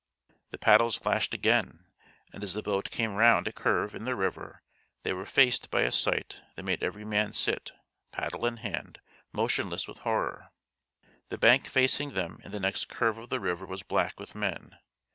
The paddles flashed again, and as the boat came round a curve in the river they were faced by a sight that made every man sit, paddle in hand, motionless with horror. The bank facing them in the next curve of the river was black with men.